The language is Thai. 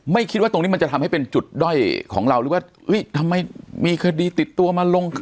คิดว่าตรงนี้มันจะทำให้เป็นจุดด้อยของเราหรือว่าทำไมมีคดีติดตัวมาลง